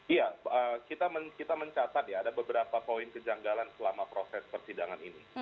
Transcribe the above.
iya kita mencatat ya ada beberapa poin kejanggalan selama proses persidangan ini